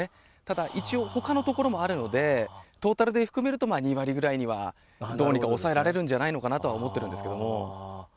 だから一応、ほかの所もあるので、トータルで含めると、２割ぐらいにはどうにか抑えられるんじゃないかと思っているんですけども。